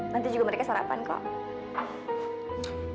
nanti juga mereka sarapan kok